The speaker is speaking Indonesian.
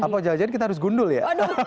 apa jalan jalan kita harus gundul ya